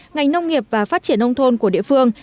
ngành nông nghiệp và phát triển nông thôn của địa phương